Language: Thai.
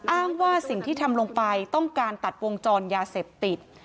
อ้างว่าสิ่งที่ทำลงไปต้องการตัดวงจรยาเสพติด